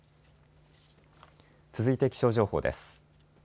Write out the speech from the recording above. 続いて気象情報です。